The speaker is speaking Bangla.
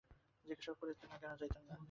জিজ্ঞাসাও করিতেন না, কেন যাই নাই।